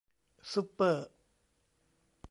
ซุปเปอร์